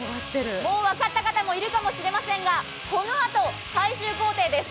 もう分かった方もいるかもしれませんが、このあと、最終行程です。